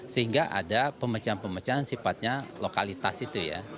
sehingga ada pemecahan pemecahan sifatnya lokalitas itu ya